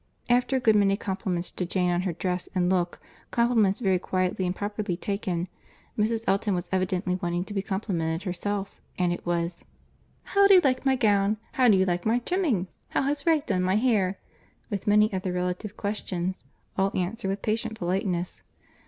After a good many compliments to Jane on her dress and look, compliments very quietly and properly taken, Mrs. Elton was evidently wanting to be complimented herself—and it was, "How do you like my gown?—How do you like my trimming?—How has Wright done my hair?"—with many other relative questions, all answered with patient politeness.